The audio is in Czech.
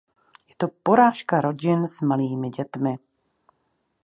Je to porážka rodin s malými dětmi.